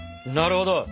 なるほど！